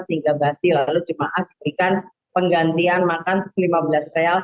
sehingga basi lalu cuma akhirnya kan penggantian makan lima belas real